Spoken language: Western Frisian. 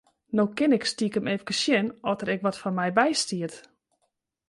No kin ik stikem efkes sjen oft der ek wat foar my by stiet.